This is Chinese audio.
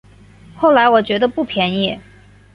后来我觉得不便宜